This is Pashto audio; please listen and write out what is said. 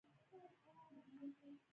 غیر دایمي غړي په دوو کالو کې ټاکل کیږي.